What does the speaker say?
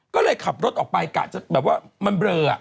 ก็เลยขับรถออกไปกะจะแบบว่ามันเบลอ